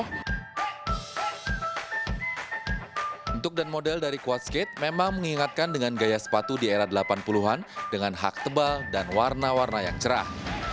bentuk dan model dari quad skate memang mengingatkan dengan gaya sepatu di era delapan puluh an dengan hak tebal dan warna warna yang cerah